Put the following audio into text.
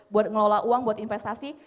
buat ngelola uang buat investasi